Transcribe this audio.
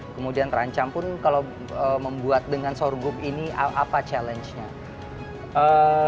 kemudian terancam pun kalau membuat dengan sorghum ini apa challenge nya